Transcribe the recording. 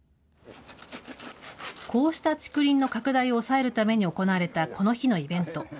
こうした竹林の拡大を抑えるために行われたこの日のイベント。